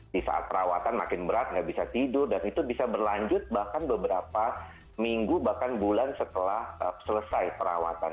di saat perawatan makin berat nggak bisa tidur dan itu bisa berlanjut bahkan beberapa minggu bahkan bulan setelah selesai perawatan